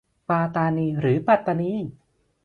ปาตานีหรือปัตตานี